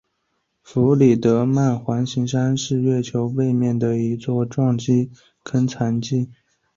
弗里德曼环形山是月球背面的一座撞击坑残迹。